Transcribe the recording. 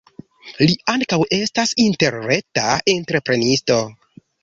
Li ankaŭ estas interreta entreprenisto.